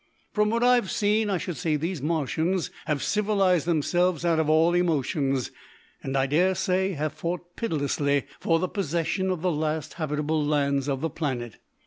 From what I've seen, I should say these Martians have civilised themselves out of all emotions, and, I daresay, have fought pitilessly for the possession of the last habitable lands of the planet.